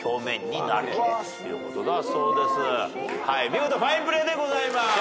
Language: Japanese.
見事ファインプレーでございます。